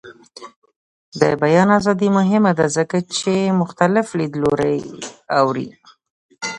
د بیان ازادي مهمه ده ځکه چې مختلف لیدلوري اوري.